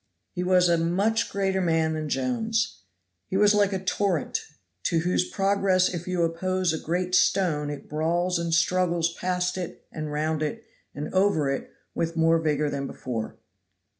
He was a much greater man than Jones. He was like a torrent, to whose progress if you oppose a great stone it brawls and struggles past it and round it and over it with more vigor than before.